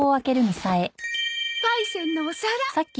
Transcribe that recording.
パイセンのお皿。